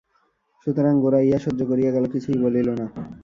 সুতরাং গোরা ইহা সহ্য করিয়া গেল, কিছুই বলিল না।